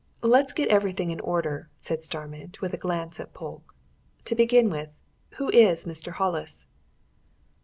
"Let's get everything in order," said Starmidge, with a glance at Polke. "To begin with, who is Mr. Hollis?"